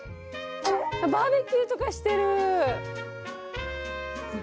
バーベキューとかしてる！